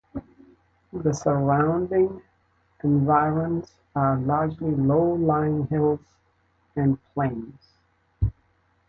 The surrounding environs are largely low-lying hills and plains.